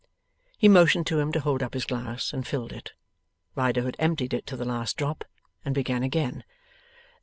He motioned to him to hold up his glass, and filled it. Riderhood emptied it to the last drop and began again.